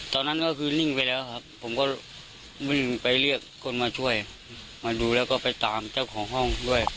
ตอนนั้นก็คือนิ่งไปแล้วครับผมก็วิ่งไปเรียกคนมาช่วยมาดูแล้วก็ไปตามเจ้าของห้องด้วย